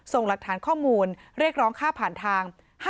ส่งหลักฐานข้อมูลเรียกร้องค่าผ่านทาง